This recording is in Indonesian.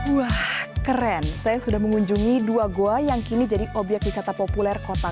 wah keren saya sudah mengunjungi dua goa yang kini jadi obyek wisata populer kota